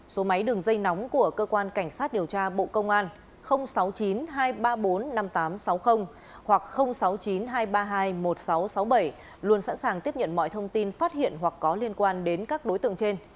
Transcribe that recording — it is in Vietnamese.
số máy đường dây nóng của cơ quan cảnh sát điều tra bộ công an sáu mươi chín hai trăm ba mươi bốn năm nghìn tám trăm sáu mươi hoặc sáu mươi chín hai trăm ba mươi hai một nghìn sáu trăm sáu mươi bảy luôn sẵn sàng tiếp nhận mọi thông tin phát hiện hoặc có liên quan đến các đối tượng trên